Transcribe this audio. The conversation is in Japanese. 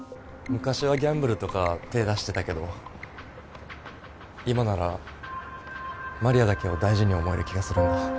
昔はギャンブルとか手出してたけど今なら麻里亜だけを大事に思える気がするんだ。